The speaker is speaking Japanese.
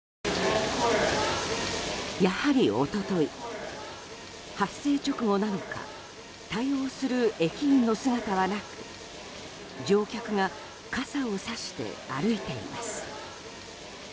やはり一昨日、発生直後なのか対応する駅員の姿はなく乗客が傘をさして歩いています。